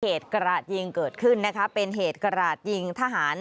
กระหลาดยิงเกิดขึ้นนะคะเป็นเหตุกระหลาดยิงทหาร